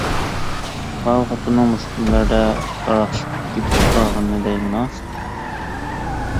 ماۋۇ خوتۇننىڭ مۇشۇ كۈنلەردە تاراقشىپ كېتىپ بارغىنىنى دەيمىنا؟ !